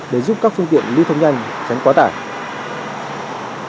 để giúp các phương tiện lưu thông nhanh tránh quá tải